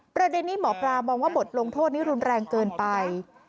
ประเด็นนี้หมอปลามองว่าบทลงโทษนี้รุนแรงเกินไป